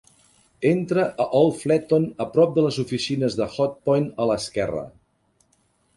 Entra a Old Fletton a prop de les oficines de Hotpoint a l'esquerra.